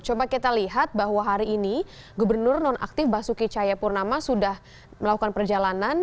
coba kita lihat bahwa hari ini gubernur non aktif basuki cahayapurnama sudah melakukan perjalanan